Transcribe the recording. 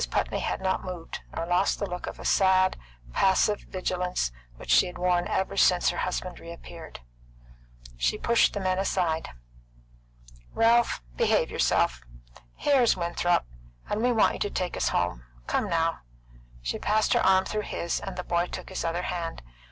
Putney had not moved, nor lost the look of sad, passive vigilance which she had worn since her husband reappeared. She pushed the men aside. "Ralph, behave yourself! Here's Winthrop, and we want you to take us home. Come now!" She passed her arm through his, and the boy took his other hand.